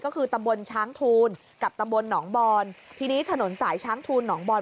ก็คือตำบลช้างทูลกับตำบลหนองบอนทีนี้ถนนสายช้างทูลหนองบอล